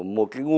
một cái nguồn